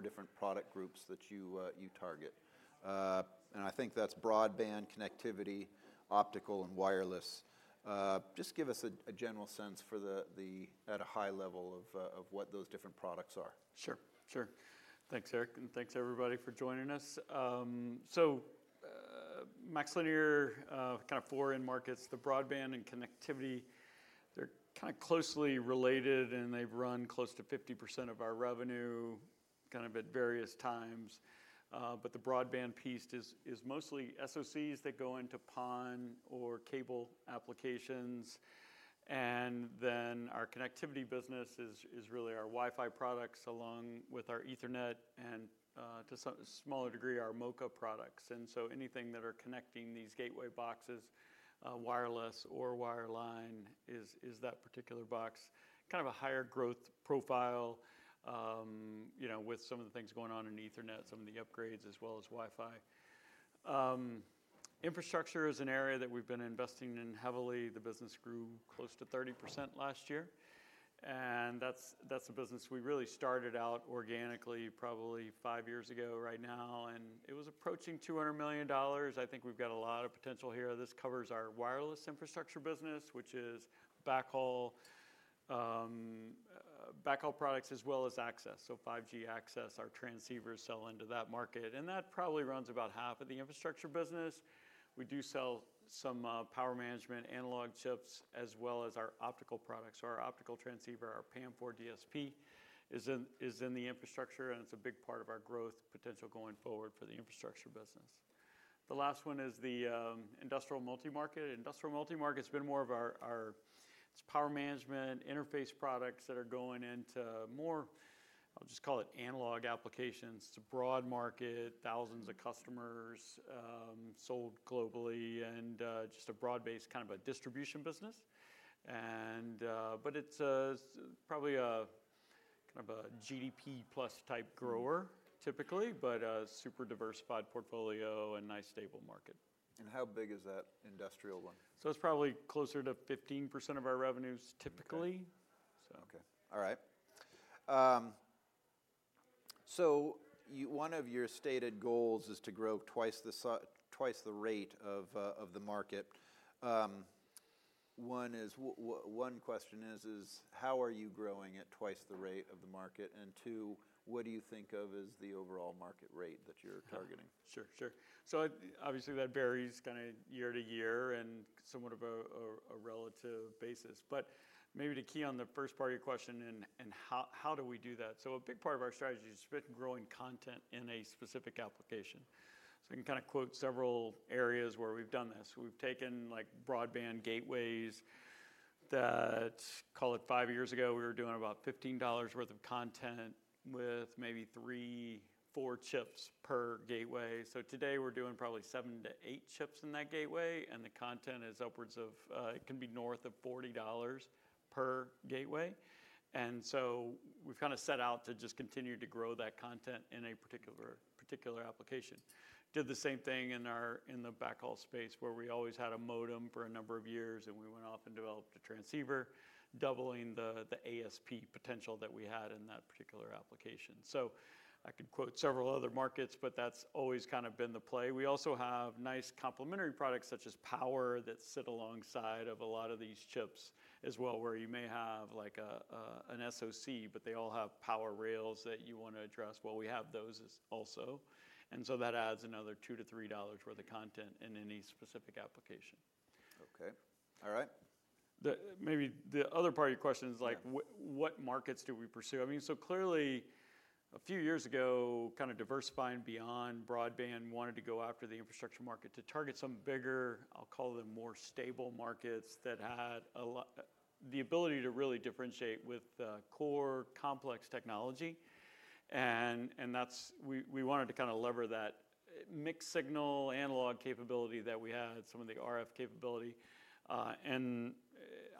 Four different product groups that you target. I think that's broadband, connectivity, optical, and wireless. Just give us a general sense for the at a high level of what those different products are. Sure, sure. Thanks, Eric, and thanks, everybody, for joining us. So, MaxLinear kind of four end markets, the broadband and connectivity, they're kind of closely related, and they run close to 50% of our revenue, kind of at various times. But the broadband piece is mostly SoCs that go into PON or cable applications. And then our connectivity business is really our Wi-Fi products, along with our Ethernet and, to some smaller degree, our MoCA products. And so anything that are connecting these gateway boxes, wireless or wireline, is that particular box. Kind of a higher growth profile, you know, with some of the things going on in Ethernet, some of the upgrades, as well as Wi-Fi. Infrastructure is an area that we've been investing in heavily. The business grew close to 30% last year, and that's a business we really started out organically, probably 5 years ago right now, and it was approaching $200 million. I think we've got a lot of potential here. This covers our wireless infrastructure business, which is backhaul, backhaul products as well as access, so 5G access, our transceivers sell into that market, and that probably runs about half of the infrastructure business. We do sell some power management analog chips as well as our optical products. So our optical transceiver, our PAM4 DSP, is in the infrastructure, and it's a big part of our growth potential going forward for the infrastructure business. The last one is the industrial multi-market. Industrial multi-market's been more of our, our... It's power management, interface products that are going into more, I'll just call it analog applications. It's a broad market, thousands of customers, sold globally and, just a broad-based, kind of a distribution business, and... But it's a probably a, kind of a GDP plus type grower typically, but a super diversified portfolio and nice, stable market. How big is that industrial one? It's probably closer to 15% of our revenues, typically. Okay. So. Okay. All right. So you, one of your stated goals is to grow twice the rate of the market. One question is, how are you growing at twice the rate of the market? And two, what do you think of as the overall market rate that you're targeting? Sure, sure. So obviously, that varies kind of year-to-year and somewhat of a relative basis. But maybe to key on the first part of your question and how do we do that? So a big part of our strategy is spending and growing content in a specific application. So I can kind of quote several areas where we've done this. We've taken, like, broadband gateways that, call it five years ago, we were doing about $15 worth of content with maybe 3-4 chips per gateway. So today, we're doing probably 7-8 chips in that gateway, and the content is upwards of, it can be north of $40 per gateway. And so we've kind of set out to just continue to grow that content in a particular application. Did the same thing in our, in the backhaul space, where we always had a modem for a number of years, and we went off and developed a transceiver, doubling the ASP potential that we had in that particular application. So I could quote several other markets, but that's always kind of been the play. We also have nice complementary products, such as power, that sit alongside of a lot of these chips as well, where you may have, like, an SoC, but they all have power rails that you wanna address. Well, we have those as also, and so that adds another $2-$3 worth of content in any specific application. Okay. All right. Maybe the other part of your question is, like- Yeah... what, what markets do we pursue? I mean, so clearly, a few years ago, kind of diversifying beyond broadband, wanted to go after the infrastructure market to target some bigger, I'll call them, more stable markets that had the ability to really differentiate with core complex technology. And that's. We wanted to kind of leverage that mixed-signal analog capability that we had, some of the RF capability, and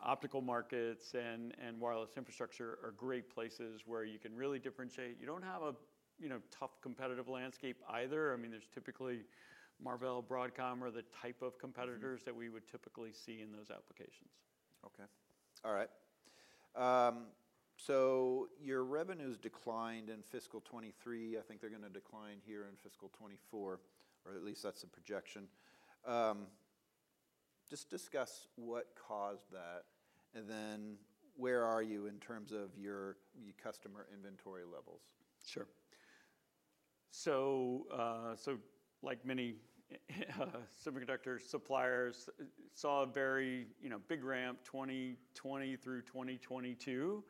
optical markets and wireless infrastructure are great places where you can really differentiate. You don't have a, you know, tough competitive landscape either. I mean, there's typically Marvell, Broadcom, are the type of competitors- Mm-hmm... that we would typically see in those applications. Okay. All right. So your revenues declined in fiscal 2023. I think they're gonna decline here in fiscal 2024, or at least that's the projection. Just discuss what caused that, and then where are you in terms of your, your customer inventory levels? Sure. So, like many semiconductor suppliers saw a very, you know, big ramp, 2020 through 2022.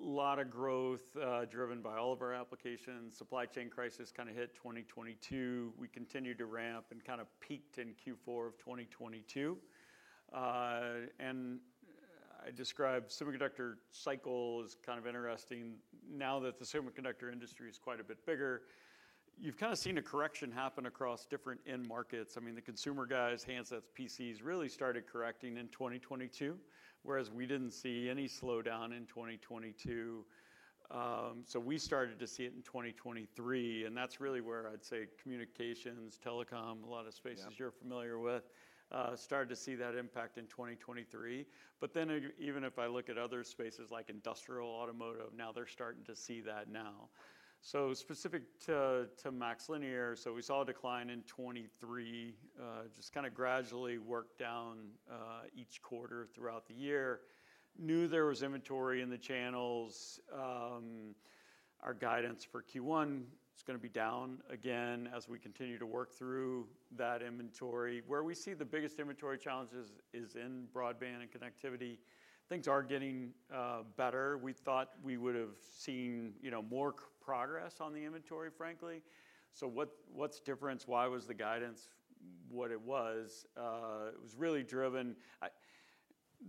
Lot of growth driven by all of our applications. Supply chain crisis kind of hit 2022. We continued to ramp and kind of peaked in Q4 of 2022. And I describe semiconductor cycles, kind of interesting. Now that the semiconductor industry is quite a bit bigger, you've kind of seen a correction happen across different end markets. I mean, the consumer guys, handsets, PCs, really started correcting in 2022, whereas we didn't see any slowdown in 2022. So we started to see it in 2023, and that's really where I'd say communications, telecom- Yeah... a lot of spaces you're familiar with, started to see that impact in 2023. But then even if I look at other spaces like industrial, automotive, now they're starting to see that now. So specific to, to MaxLinear, so we saw a decline in 2023, just kind of gradually work down, each quarter throughout the year. Knew there was inventory in the channels, our guidance for Q1 is gonna be down again as we continue to work through that inventory. Where we see the biggest inventory challenges is in broadband and connectivity. Things are getting, better. We thought we would've seen, you know, more progress on the inventory, frankly. So what, what's different? Why was the guidance what it was? It was really driven.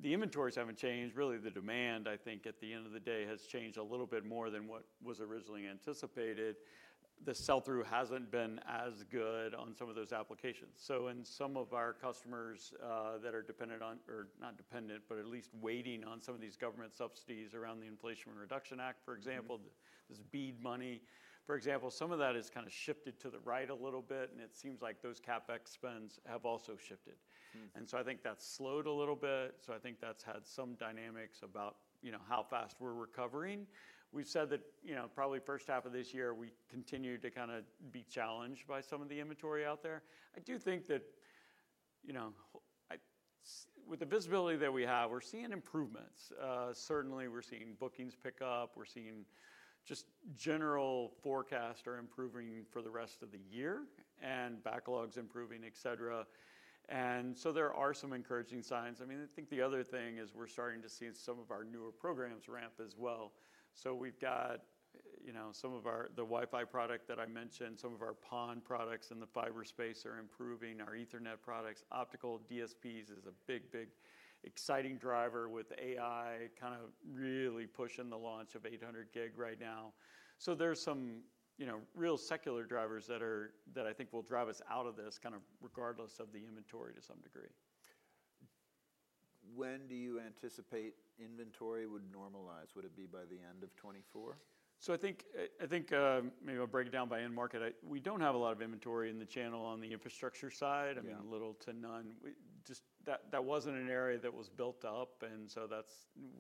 The inventories haven't changed. Really, the demand, I think, at the end of the day, has changed a little bit more than what was originally anticipated. The sell-through hasn't been as good on some of those applications. So in some of our customers that are dependent on, or not dependent, but at least waiting on some of these government subsidies around the Inflation Reduction Act, for example- Mm-hmm. This BEAD money, for example, some of that has kinda shifted to the right a little bit, and it seems like those CapEx spends have also shifted. Hmm. I think that's slowed a little bit. I think that's had some dynamics about, you know, how fast we're recovering. We've said that, you know, probably first half of this year, we continue to kinda be challenged by some of the inventory out there. I do think that, you know, with the visibility that we have, we're seeing improvements. Certainly, we're seeing bookings pick up. We're seeing just general forecast are improving for the rest of the year, and backlogs improving, et cetera. There are some encouraging signs. I mean, I think the other thing is we're starting to see some of our newer programs ramp as well. We've got, you know, some of our... the Wi-Fi product that I mentioned, some of our PON products in the fiber space are improving, our Ethernet products. Optical DSPs is a big, big, exciting driver with AI, kind of really pushing the launch of 800 gig right now. So there's some, you know, real secular drivers that I think will drive us out of this, kind of regardless of the inventory to some degree. When do you anticipate inventory would normalize? Would it be by the end of 2024? So I think, maybe I'll break it down by end market. We don't have a lot of inventory in the channel on the infrastructure side. Yeah. I mean, little to none. Just that, that wasn't an area that was built up, and so that's.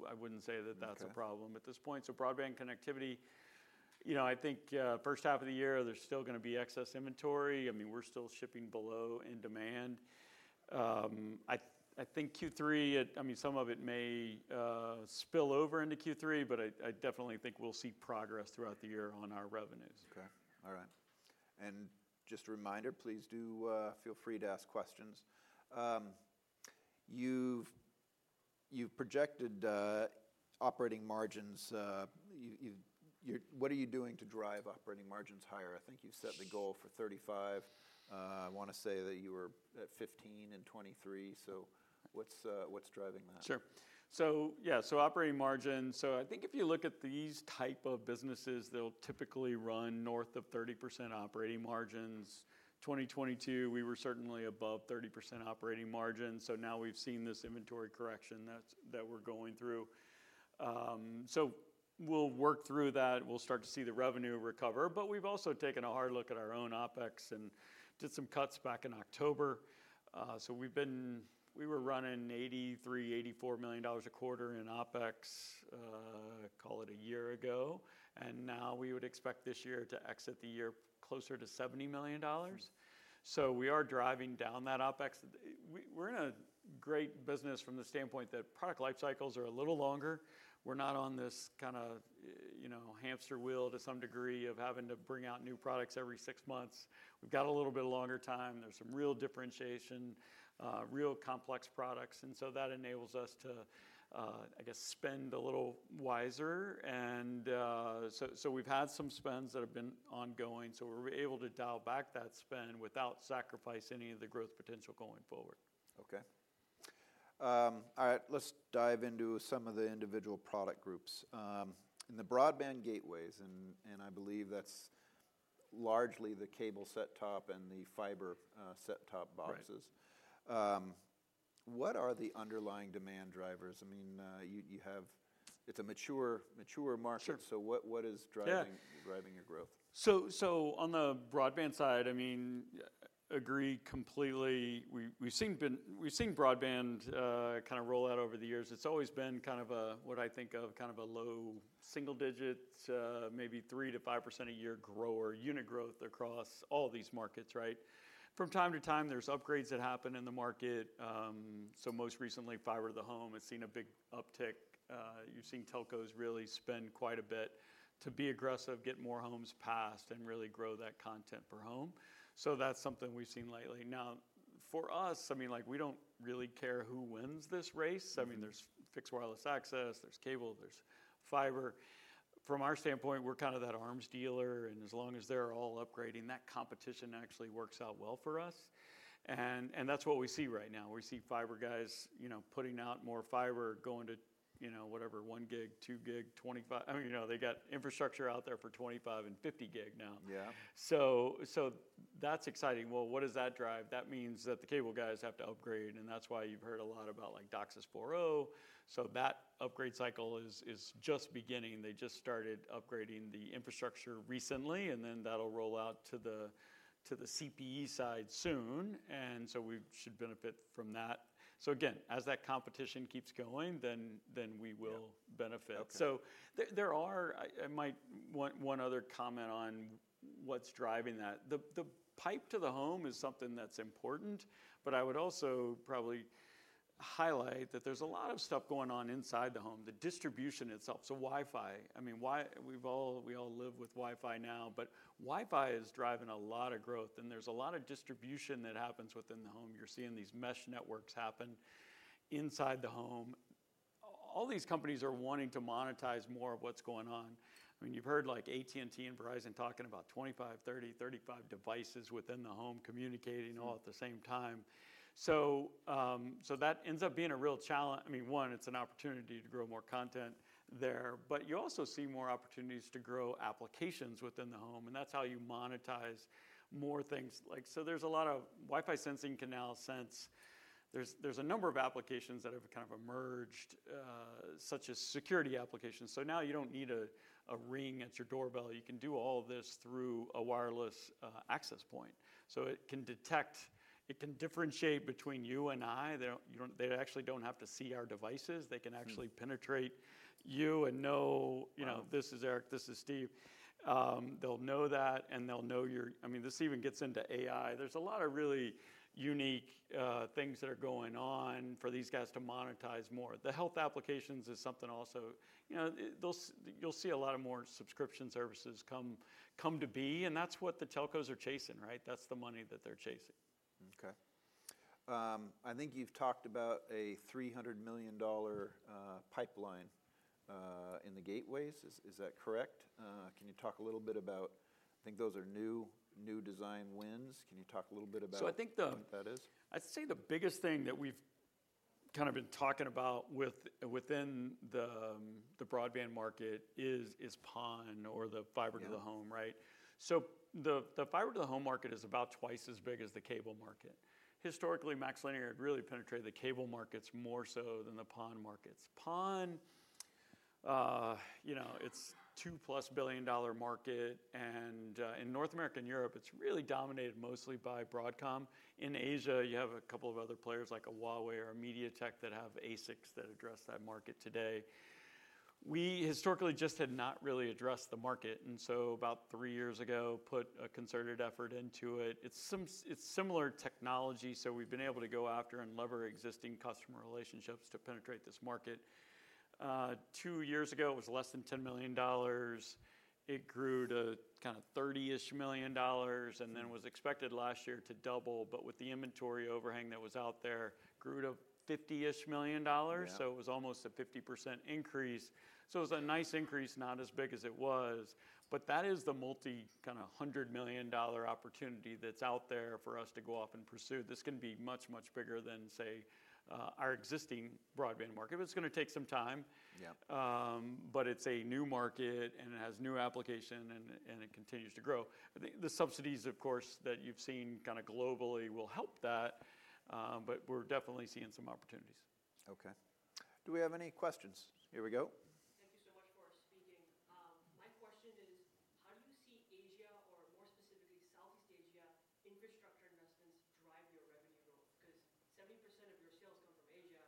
I wouldn't say that that's. Okay... a problem at this point. So broadband connectivity, you know, I think, first half of the year, there's still gonna be excess inventory. I mean, we're still shipping below in demand. I think Q3, it... I mean, some of it may spill over into Q3, but I definitely think we'll see progress throughout the year on our revenues. Okay. All right. Just a reminder, please do feel free to ask questions. You've projected operating margins. What are you doing to drive operating margins higher? I think you set the goal for 35. I wanna say that you were at 15 in 2023, so what's driving that? Sure. So yeah, so operating margin, so I think if you look at these type of businesses, they'll typically run north of 30% operating margins. 2022, we were certainly above 30% operating margin, so now we've seen this inventory correction that's, that we're going through. So we'll work through that. We'll start to see the revenue recover. But we've also taken a hard look at our own OpEx and did some cuts back in October. So we've been, we were running $83 million-$84 million a quarter in OpEx, call it a year ago, and now we would expect this year to exit the year closer to $70 million. Hmm. So we are driving down that OpEx. We're in a great business from the standpoint that product life cycles are a little longer. We're not on this kinda, you know, hamster wheel to some degree, of having to bring out new products every six months. We've got a little bit of longer time. There's some real differentiation, real complex products, and so that enables us to, I guess, spend a little wiser. And, so, so we've had some spends that have been ongoing, so we're able to dial back that spend without sacrifice any of the growth potential going forward. Okay. All right, let's dive into some of the individual product groups. In the broadband gateways, and I believe that's largely the cable set-top and the fiber set-top boxes. Right. What are the underlying demand drivers? I mean, you have. It's a mature, mature market. Sure. What is driving- Yeah... driving your growth? So on the broadband side, I mean, agree completely. We've seen broadband kinda roll out over the years. It's always been kind of a, what I think of, kind of a low double-digit, maybe 3%-5% a year grower, unit growth across all these markets, right? From time to time, there's upgrades that happen in the market. So most recently, fiber to the home has seen a big uptick. You've seen telcos really spend quite a bit to be aggressive, get more homes passed, and really grow that content per home. So that's something we've seen lately. Now, for us, I mean, like, we don't really care who wins this race. Mm-hmm. I mean, there's fixed wireless access, there's cable, there's fiber. From our standpoint, we're kind of that arms dealer, and as long as they're all upgrading, that competition actually works out well for us. And that's what we see right now. We see fiber guys, you know, putting out more fiber, going to, you know, whatever, 1 gig, 2 gig, 25. I mean, you know, they got infrastructure out there for 25 and 50 gig now. Yeah. So that's exciting. Well, what does that drive? That means that the cable guys have to upgrade, and that's why you've heard a lot about like DOCSIS 4.0. So that upgrade cycle is just beginning. They just started upgrading the infrastructure recently, and then that'll roll out to the CPE side soon, and so we should benefit from that. So again, as that competition keeps going, then we will- Yeah... benefit. Okay. I might want one other comment on what's driving that. The pipe to the home is something that's important, but I would also highlight that there's a lot of stuff going on inside the home, the distribution itself. So Wi-Fi, I mean, we all live with Wi-Fi now, but Wi-Fi is driving a lot of growth, and there's a lot of distribution that happens within the home. You're seeing these mesh networks happen inside the home. All these companies are wanting to monetize more of what's going on. I mean, you've heard, like, AT&T and Verizon talking about 25, 30, 35 devices within the home communicating all at the same time. So that ends up being a real challenge. I mean, one, it's an opportunity to grow more content there, but you also see more opportunities to grow applications within the home, and that's how you monetize more things like... So there's a lot of Wi-Fi sensing can now sense. There's a number of applications that have kind of emerged, such as security applications. So now you don't need a Ring at your doorbell. You can do all of this through a wireless access point. So it can detect. It can differentiate between you and I. They don't. You don't. They actually don't have to see our devices. Hmm. They can actually penetrate you and know- Wow... you know, this is Eric, this is Steve. They'll know that, and they'll know you're... I mean, this even gets into AI. There's a lot of really unique things that are going on for these guys to monetize more. The health applications is something also, you know, those-- you'll see a lot of more subscription services come to be, and that's what the telcos are chasing, right? That's the money that they're chasing. Okay. I think you've talked about a $300 million pipeline in the gateways. Is that correct? Can you talk a little bit about, I think those are new design wins. Can you talk a little bit about- So I think the- What that is? I'd say the biggest thing that we've kind of been talking about within the broadband market is PON or the fiber- Yeah... to the home, right? So the fiber to the home market is about 2x as big as the cable market. Historically, MaxLinear had really penetrated the cable markets more so than the PON markets. PON, you know, it's a $2+ billion market, and in North America and Europe, it's really dominated mostly by Broadcom. In Asia, you have a couple of other players like a Huawei or a MediaTek that have ASICs that address that market today. We historically just had not really addressed the market, and so about 3 years ago, put a concerted effort into it. It's similar technology, so we've been able to go after and leverage existing customer relationships to penetrate this market. Two years ago, it was less than $10 million. It grew to kind of $30-ish million- Mm... and then was expected last year to double, but with the inventory overhang that was out there, grew to $50-ish million. Yeah. It was almost a 50% increase. It was a nice increase, not as big as it was, but that is the multi kind of $100 million opportunity that's out there for us to go off and pursue. This can be much, much bigger than, say, our existing broadband market, but it's gonna take some time. Yeah. But it's a new market, and it has new application, and it continues to grow. The subsidies, of course, that you've seen kind of globally will help that, but we're definitely seeing some opportunities. Okay. Do we have any questions? Here we go. Thank you so much for speaking. My question is: how do you see Asia or more specifically, Southeast Asia, infrastructure investments drive your revenue growth? Because 70% of your sales come from Asia,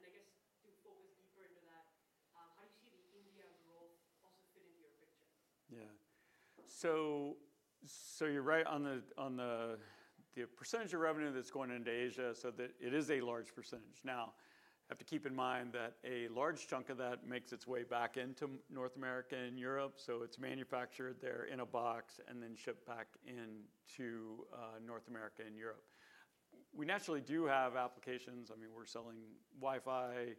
and I guess to focus deeper into that, how do you see the India growth also fit into your picture? Yeah. So you're right on the percentage of revenue that's going into Asia. It is a large percentage. Now, have to keep in mind that a large chunk of that makes its way back into North America and Europe. So it's manufactured there in a box and then shipped back into North America and Europe. We naturally do have applications. I mean, we're selling Wi-Fi,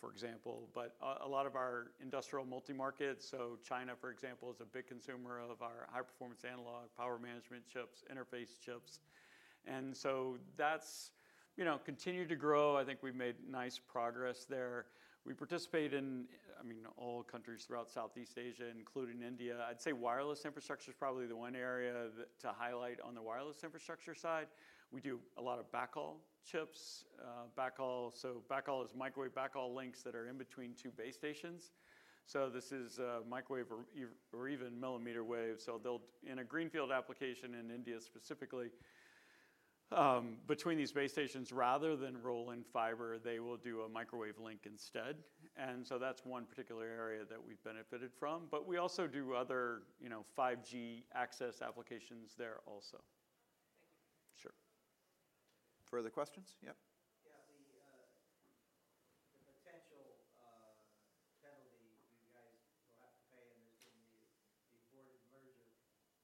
for example, but a lot of our industrial multi-market, so China, for example, is a big consumer of our high-performance analog, power management chips, interface chips. And so that's, you know, continued to grow. I think we've made nice progress there. We participate in, I mean, all countries throughout Southeast Asia, including India. I'd say wireless infrastructure is probably the one area that, to highlight on the wireless infrastructure side. We do a lot of backhaul chips, backhaul. So backhaul is microwave backhaul links that are in between two base stations, so this is microwave or even millimeter waves. So they'll, in a greenfield application in India, specifically, between these base stations, rather than roll in fiber, they will do a microwave link instead, and so that's one particular area that we've benefited from. But we also do other, you know, 5G access applications there also. Thank you. Sure. Further questions? Yeah. Yeah, the potential penalty you guys will have to pay in this aborted merger,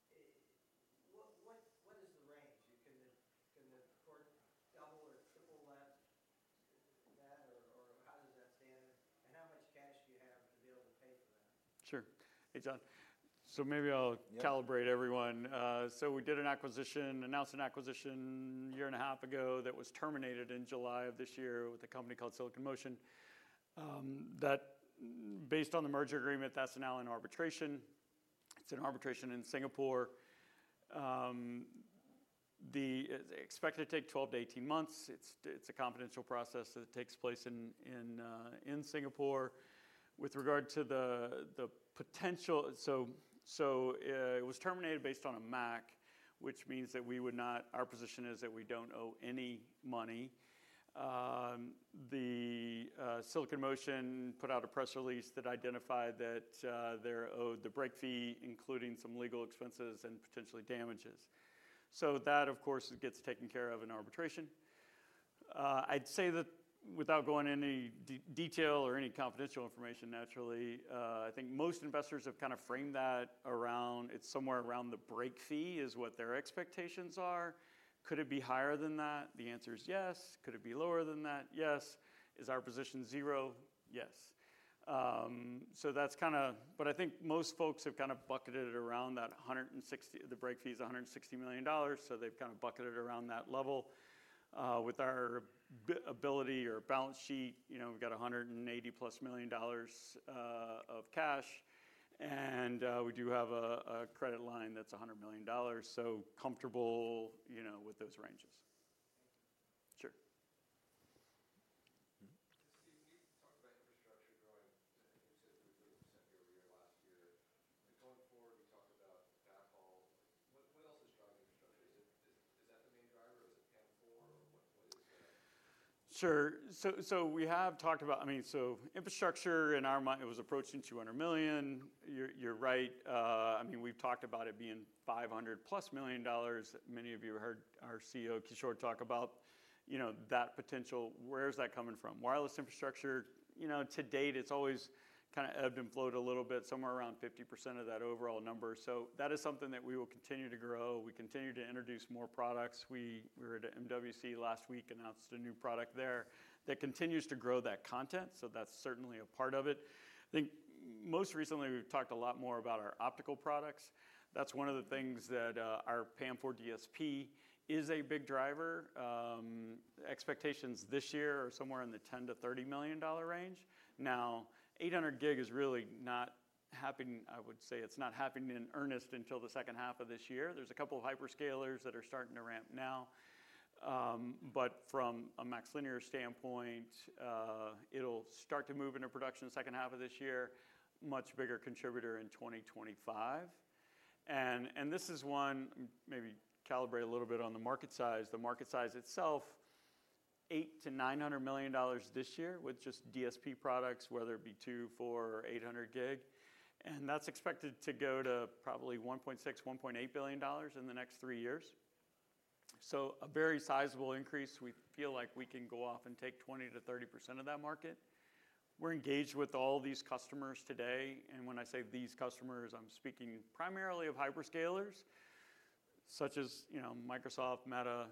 what is the range? Can the court double or triple that, or how does that stand? And how much cash do you have to be able to pay for that? Sure. Hey, John. So maybe I'll- Yeah... calibrate everyone. So we did an acquisition, announced an acquisition a year and a half ago that was terminated in July of this year with a company called Silicon Motion. That, based on the merger agreement, that's now in arbitration. It's in arbitration in Singapore. Expected to take 12-18 months. It's a confidential process that takes place in Singapore. With regard to the potential— So it was terminated based on a MAC, which means that we would not— our position is that we don't owe any money. Silicon Motion put out a press release that identified that they're owed the break fee, including some legal expenses and potentially damages. So that, of course, gets taken care of in arbitration. I'd say that without going into any detail or any confidential information, naturally, I think most investors have kind of framed that around. It's somewhere around the break fee is what their expectations are. Could it be higher than that? The answer is yes. Could it be lower than that? Yes. Is our position zero? Yes. So that's kinda. But I think most folks have kind of bucketed it around that $160 million, the break fee is $160 million, so they've kind of bucketed it around that level. With our balance sheet, you know, we've got $180+ million of cash, and we do have a credit line that's $100 million, so comfortable, you know, with those ranges. Thank you. Sure. Mm-hmm. Steve, you talked about infrastructure growing, and you said it was year-over-year last year. But going forward, we talked about backhaul. What else is driving infrastructure? Is it that the main driver, or is it PAM4, or what is that? Sure. So we have talked about... I mean, infrastructure in our mind, it was approaching $200 million. You're right, I mean, we've talked about it being $500+ million. Many of you heard our CEO, Kishore, talk about, you know, that potential. Where is that coming from? Wireless infrastructure, you know, to date, it's always kind of ebbed and flowed a little bit, somewhere around 50% of that overall number. So that is something that we will continue to grow. We continue to introduce more products. We were at MWC last week, announced a new product there that continues to grow that content, so that's certainly a part of it. I think most recently, we've talked a lot more about our optical products. That's one of the things that our PAM4 DSP is a big driver. Expectations this year are somewhere in the $10 million-$30 million range. Now, 800 gig is really not happening, I would say it's not happening in earnest until the second half of this year. There's a couple of hyperscalers that are starting to ramp now. But from a MaxLinear standpoint, it'll start to move into production the second half of this year, much bigger contributor in 2025. And, and this is one, maybe calibrate a little bit on the market size, the market size itself, $800 million-$900 million this year with just DSP products, whether it be 200, 400, or 800 gig, and that's expected to go to probably $1.6 billion-$1.8 billion in the next three years. So a very sizable increase. We feel like we can go off and take 20%-30% of that market. We're engaged with all these customers today, and when I say these customers, I'm speaking primarily of hyperscalers, such as, you know, Microsoft, Meta,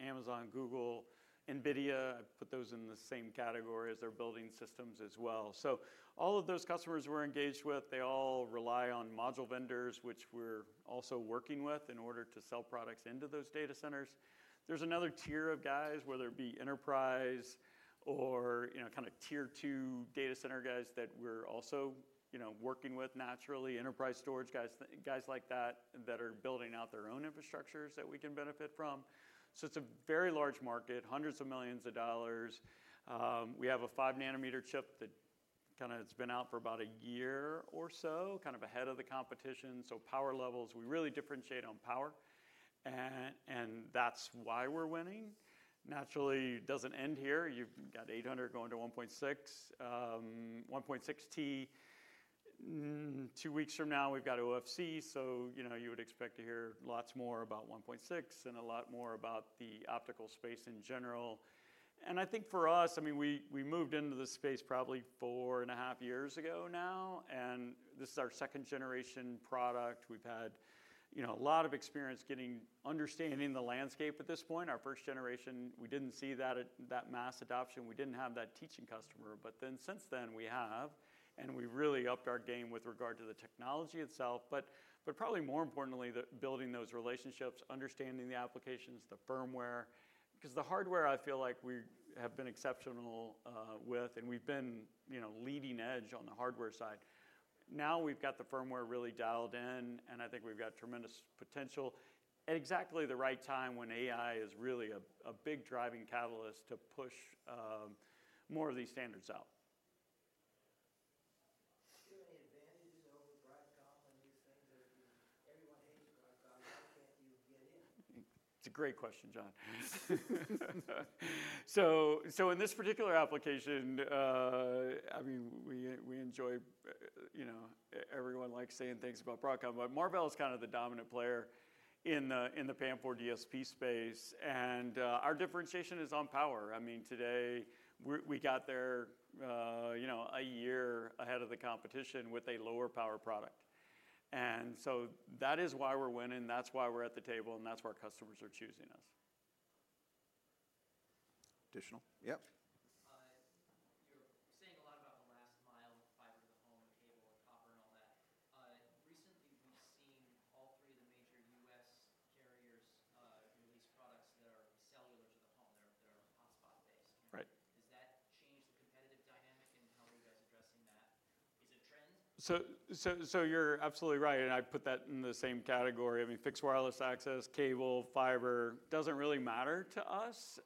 Amazon, Google, Nvidia. I put those in the same category as they're building systems as well. So all of those customers we're engaged with, they all rely on module vendors, which we're also working with in order to sell products into those data centers. There's another tier of guys, whether it be enterprise or, you know, kind of tier two data center guys, that we're also, you know, working with naturally, enterprise storage guys, guys like that, that are building out their own infrastructures that we can benefit from. So it's a very large market, hundreds of millions of dollars. We have a 5nm chip that kinda it's been out for about a year or so, kind of ahead of the competition. So power levels, we really differentiate on power, and, and that's why we're winning. Naturally, it doesn't end here. You've got 800 going to 1.6, 1.6T. Two weeks from now, we've got OFC, so, you know, you would expect to hear lots more about 1.6 and a lot more about the optical space in general. And I think for us, I mean, we, we moved into this space probably four and a half years ago now, and this is our second generation product. We've had, you know, a lot of experience getting, understanding the landscape at this point. Our first generation, we didn't see that at, that mass adoption. We didn't have that teaching customer. But then, since then we have, and we've really upped our game with regard to the technology itself, but probably more importantly, the building those relationships, understanding the applications, the firmware, because the hardware, I feel like we have been exceptional with, and we've been, you know, leading edge on the hardware side. Now, we've got the firmware really dialed in, and I think we've got tremendous potential at exactly the right time when AI is really a big driving catalyst to push more of these standards out. Do you have any advantages over Broadcom and these things that everyone hates Broadcom, how can you get in? It's a great question, John. So in this particular application, I mean, we enjoy, you know, everyone likes saying things about Broadcom, but Marvell is kind of the dominant player in the PAM4 DSP space, and our differentiation is on power. I mean, today, we got there, you know, a year ahead of the competition with a lower power product. And so that is why we're winning, that's why we're at the table, and that's why customers are choosing us. Additional? Yep. You're saying a lot about the last mile, fiber to the home, and cable, and copper, and all that. Recently, we've seen all three of the major U.S. carriers release products that are cellular to the home, that are hotspot-based. Right. Does that change the competitive dynamic, and how are you guys addressing that? Is it a trend? So, you're absolutely right, and I put that in the same category. I mean, fixed wireless access, cable, fiber, doesn't really matter to us.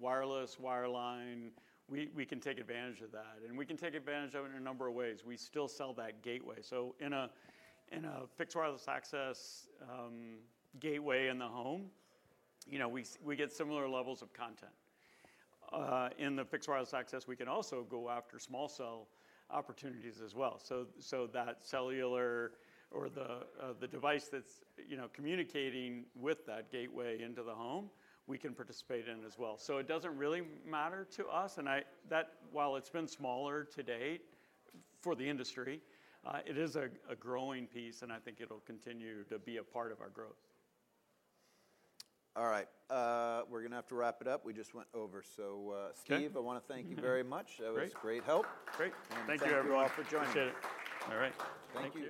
Wireless, wireline, we can take advantage of that, and we can take advantage of it in a number of ways. We still sell that gateway. So in a fixed wireless access gateway in the home, you know, we get similar levels of content. In the fixed wireless access, we can also go after small cell opportunities as well. So that cellular or the device that's, you know, communicating with that gateway into the home, we can participate in as well. So it doesn't really matter to us, and I...That, while it's been smaller to date for the industry, it is a growing piece, and I think it'll continue to be a part of our growth. All right, we're gonna have to wrap it up. We just went over. Okay. Steve, I want to thank you very much. Great. That was great help. Great. Thank you, everyone. Thank you all for joining us. Appreciate it. All right. Thank you.